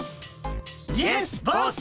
イエスボス！